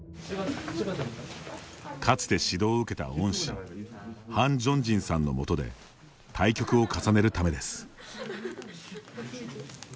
かつて指導を受けた恩師ハン・ジョンジンさんの元で対局を重ねるためです。